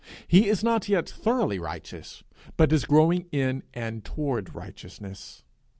He is not yet thoroughly righteous, but is growing in and toward righteousness.